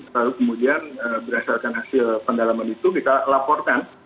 lalu kemudian berdasarkan hasil pendalaman itu kita laporkan